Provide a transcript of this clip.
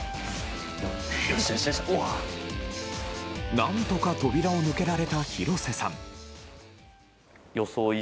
何とか扉を抜けられた廣瀬さん。